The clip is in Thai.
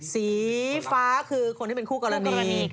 สีฟ้าคือคนที่เป็นคู่กรณี